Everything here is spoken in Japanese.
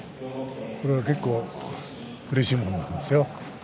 これは結構うれしいもんなんですよ。